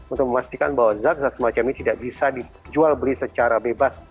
untuk memastikan bahwa zat zat semacam ini tidak bisa dijual beli secara bebas